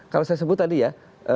kalau saya sebut tadi ya